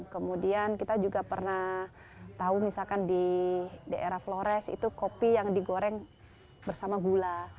kemudian kita juga pernah tahu misalkan di daerah flores itu kopi yang digoreng bersama gula